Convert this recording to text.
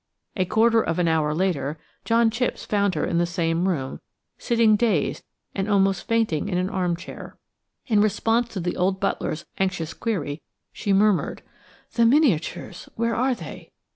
A quarter of an hour later John Chipps found her in the same room, sitting dazed and almost fainting in an arm chair. In response to the old butler's anxious query, she murmured: "The miniatures–where are they?"